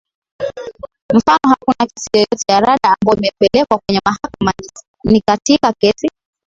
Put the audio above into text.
mfano hakuna kesi yeyote ya rada ambayo imepelekwa kwenye mahakama ni katika kesi